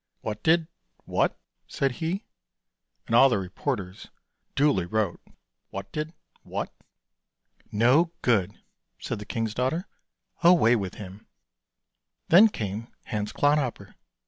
"What did — what?" said he, and all the reporters duly wrote " What did — what." " No good," said the king's daughter, " away with him." Then came Hans Clodhopper.